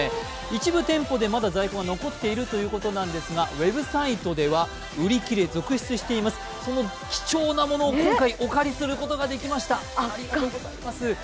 一部店舗では残っているということですがウェブサイトでは売り切れ続出していまその貴重なものを今回お借りすることができました、ありがとうございます。